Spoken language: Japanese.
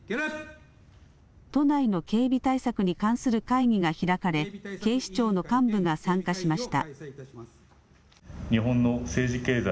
都内の警備対策に関する会議が開かれ警視庁の幹部が参加しました。